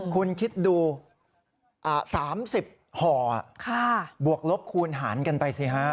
คุณคิดดู๓๐ห่อบวกลบคูณหารกันไปสิฮะ